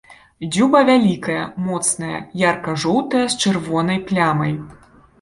Дзюба вялікая, моцная, ярка-жоўтая з чырвонай плямай.